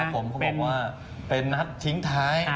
ผมเขาบอกว่าเป็นนัดทิ้งท้าย